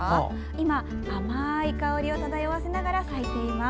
今、甘い香りを漂わせながら咲いています。